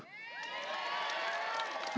negara ini harus berjalan dengan baik